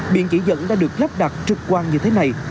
biển chỉ dẫn đã được lắp đặt trực quan như thế này